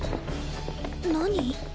何？